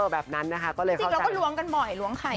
แบบนั้นนะคะก็เลยจริงเราก็ล้วงกันบ่อยล้วงไข่